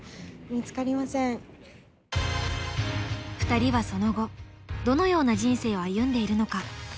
２人はその後どのような人生を歩んでいるのか。